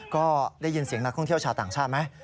ก็ได้ยินเสียงนักท่องเที่ยวชาวต่างชาติไหม